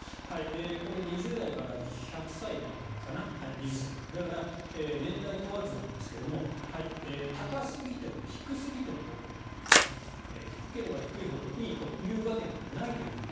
これは２０代から１００歳までだから、年代問わずなんですが高すぎても低すぎてもよくない低ければ低いほどいいというわけではないと。